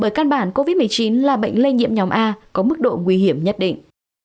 bởi căn bản covid một mươi chín là bệnh lây nhiễm nhóm a có mức độ nguy hiểm nhất định